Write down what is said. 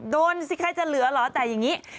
ดูสิใครจะเหลือเหรอแต่อย่างนี้